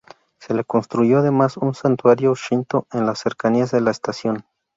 Se le construyó, además, un santuario shinto en las cercanías de la estación.